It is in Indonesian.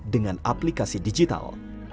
dengan aplikasi digital